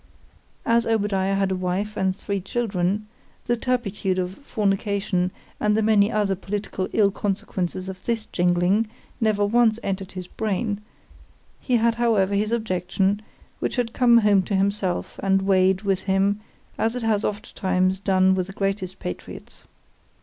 As Obadiah had a wife and three children——the turpitude of fornication, and the many other political ill consequences of this jingling, never once entered his brain,——he had however his objection, which came home to himself, and weighed with him, as it has oft times done with the greatest patriots.